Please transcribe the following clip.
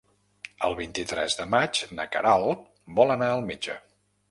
El vint-i-tres de maig na Queralt vol anar al metge.